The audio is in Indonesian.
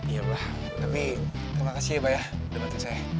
iya pak tapi terima kasih pak ya udah bantu saya